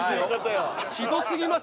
はいひどすぎます